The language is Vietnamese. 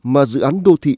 mà dự án đô thị